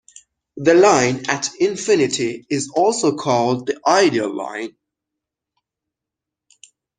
The line at infinity is also called the ideal line.